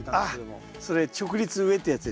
それ直立植えってやつですね。